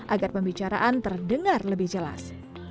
agar pembicaraan terdengar lebih jelas